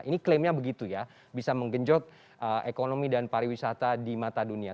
ini klaimnya begitu ya bisa menggenjot ekonomi dan pariwisata di mata dunia